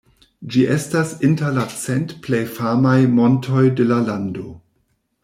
Ĝi estas inter la cent plej famaj montoj de la lando.